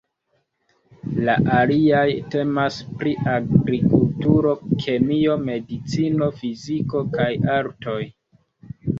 La aliaj temas pri Agrikulturo, Kemio, Medicino, Fiziko kaj Artoj.